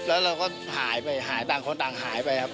แล้วเราก็หายไปหายต่างคนต่างหายไปครับ